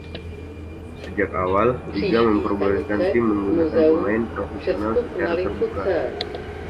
Sejak awal, liga memperbolehkan tim menggunakan pemain profesional secara terbuka.